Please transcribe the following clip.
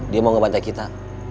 dia mau ngebantai kita